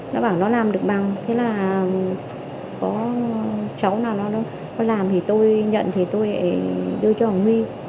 nó bảo nó làm được bằng thế là có cháu nào nó làm thì tôi nhận thì tôi đưa cho huy